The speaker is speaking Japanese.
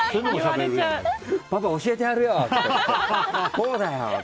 パパ、教えてやるよ！